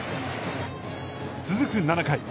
続く７回。